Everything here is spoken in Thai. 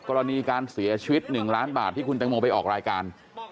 กรณีการเสียชีวิต๑ล้านบาทที่คุณแตงโมไปออกรายการ